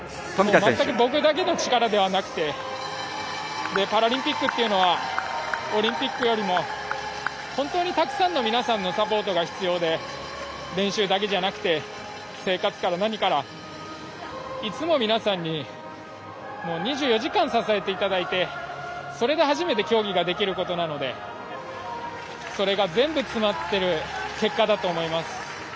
全く僕だけの力ではなくてパラリンピックというのはオリンピックよりも本当に、たくさんの皆さんのサポートが必要で練習だけではなくて生活から何からいつも皆さんに２４時間、支えていただいてそれで初めて競技ができることなのでそれが全部詰まっている結果だと思います。